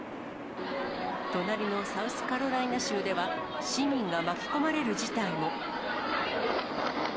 隣のサウスカロライナ州では、市民が巻き込まれる事態も。